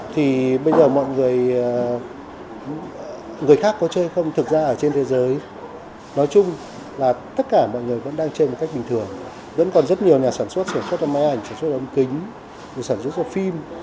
tất cả mọi người vẫn đang chơi một cách bình thường vẫn còn rất nhiều nhà sản xuất sản xuất trong máy ảnh sản xuất trong kính sản xuất trong phim